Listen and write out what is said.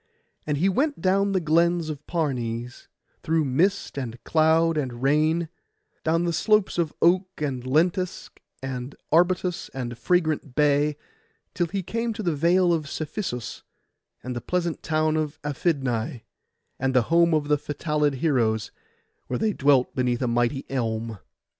And he went down the glens of Parnes, through mist, and cloud, and rain, down the slopes of oak, and lentisk, and arbutus, and fragrant bay, till he came to the Vale of Cephisus, and the pleasant town of Aphidnai, and the home of the Phytalid heroes, where they dwelt beneath a mighty elm.